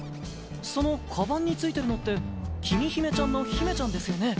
そのカバンについてるのって君姫ちゃんのヒメちゃんですよね？